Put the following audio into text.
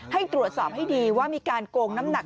ให้ตรวจสอบให้ดีว่ามีการโกงน้ำหนัก